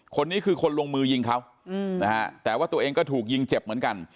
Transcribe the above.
คนนี้คือคนลงมือยิงเขานะฮะแต่ว่าตัวเองก็ถูกยิงเจ็บเหมือนกัน